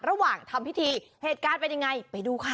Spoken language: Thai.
ระหว่างทำพิธีเหตุการณ์เป็นยังไงไปดูค่ะ